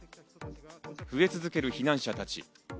増え続ける避難者たち。